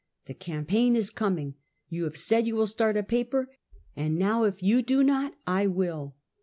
The campaign is coming, you have said you will start a paper, and now if you do not, I will."